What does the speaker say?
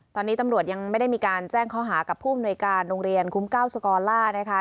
ตอนนี้ตำรวจยังไม่ได้มีการแจ้งข้อหากับผู้อำนวยการโรงเรียนคุ้มเก้าสกอลล่านะคะ